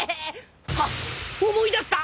あっ思い出した！